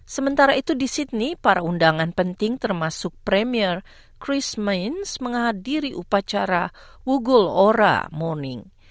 sementara itu di sydney para undangan penting termasuk premier christ mains menghadiri upacara wugul ora morning